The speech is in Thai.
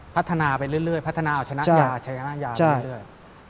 พัฒนาไปเรื่อยพัฒนาอาชะนักยาอาชะนักยาไปเรื่อย